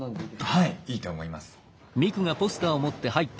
はいいいと思います。